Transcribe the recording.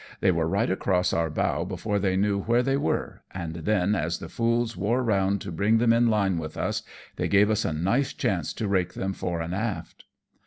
They were right across our bow before they knew where they were, and then as the fools wore round to bring them in line with us, they gave us a nice chance to rake them fore and aft."